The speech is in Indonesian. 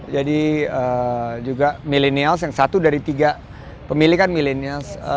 jadi juga millennials yang satu dari tiga pemilikan millennials